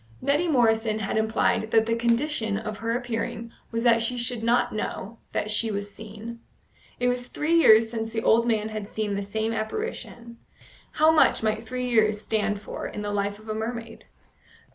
Neddy Morrison had implied that the condition of her appearing was that she should not know that she was seen. It was three years since the old man had seen the same apparition; how much might three years stand for in the life of a mermaid?